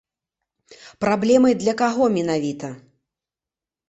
Праблемай для каго менавіта?